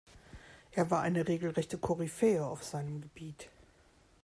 Er war eine regelrechte Koryphäe auf seinem Gebiet.